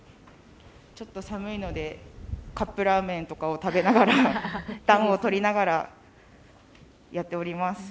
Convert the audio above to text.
ちょっと寒いのでカップラーメンとかを食べながら暖をとりながら、やっております。